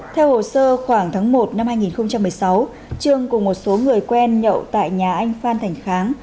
theo hồ sơ khoảng tháng một năm hai nghìn một mươi sáu trương cùng một số người quen nhậu tại nhà anh phan thành kháng